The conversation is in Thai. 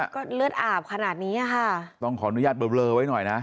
ก็เลือดอาบขนาดนี้อ่ะค่ะต้องขออนุญาตเบลอไว้หน่อยนะ